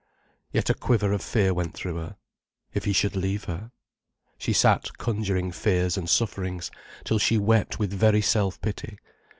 Yet a quiver of fear went through her. If he should leave her? She sat conjuring fears and sufferings, till she wept with very self pity.